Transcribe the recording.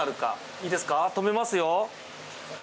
いいですか止めますよ。